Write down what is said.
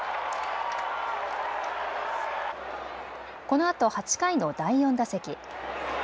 このあと８回の第４打席。